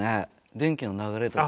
電気の流れとか。